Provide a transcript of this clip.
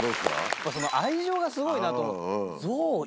まぁその愛情がすごいなと思って。